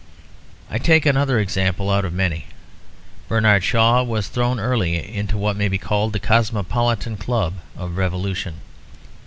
I take one other example out of many. Bernard Shaw was thrown early into what may be called the cosmopolitan club of revolution.